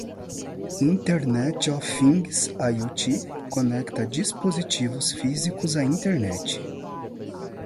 Internet of Things (IoT) conecta dispositivos físicos à internet.